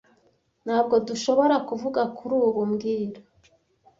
Ntabwo dushobora kuvuga kuri ubu mbwira